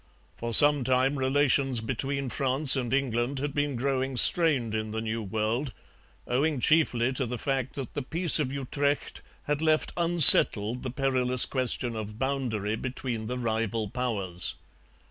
For some time relations between France and England had been growing strained in the New World, owing chiefly to the fact that the Peace of Utrecht had left unsettled the perilous question of boundary between the rival powers.